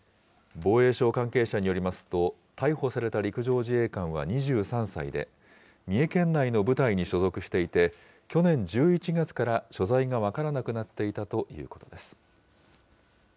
防衛省関係者によりますと、逮捕された陸上自衛官は２３歳で、三重県内の部隊に所属していて、去年１１月から所在が分からなくなっていたということです。